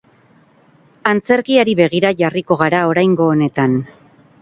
Antzerkiari begira jarriko gara oraingo honetan.